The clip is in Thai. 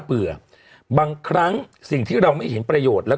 เบื่อบางครั้งสิ่งที่เราไม่เห็นประโยชน์และ